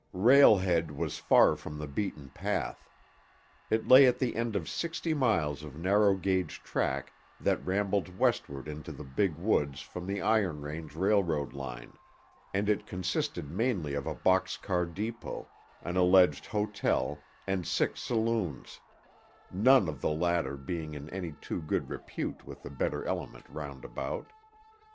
Rail Head was far from the beaten path. It lay at the end of sixty miles of narrow gauge track that rambled westward into the Big Woods from the Iron Range Railroad line, and it consisted mainly of a box car depot, an alleged hotel and six saloons—none of the latter being in any too good repute with the better element round about.